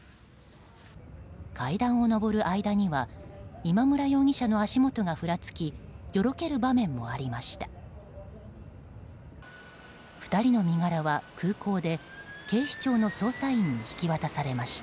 階段を上る間には今村容疑者の足元がふらつきよろける場面もありました。